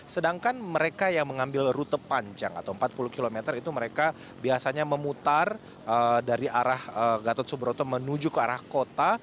sedangkan mereka yang mengambil rute panjang atau empat puluh km itu mereka biasanya memutar dari arah gatot subroto menuju ke arah kota